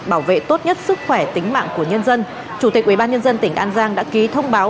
bảo vệ tốt nhất sức khỏe tính mạng của nhân dân chủ tịch ubnd tỉnh an giang đã ký thông báo